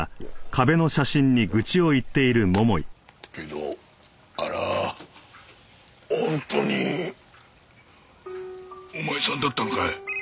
けどあれは本当にお前さんだったのかい？